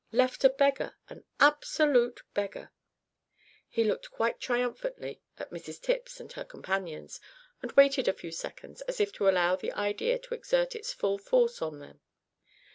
Left a beggar; an absolute beggar!" He looked quite triumphantly at Mrs Tipps and her companions, and waited a few seconds as if to allow the idea to exert its full force on them.